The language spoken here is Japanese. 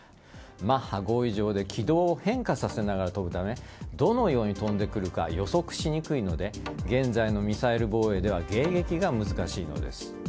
マッハ５以上で軌道を変化させながら飛ぶためどのように飛んでくるか予測しにくいので現在のミサイル防衛では迎撃が難しいのです。